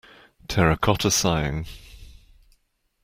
Terracotta Sighing.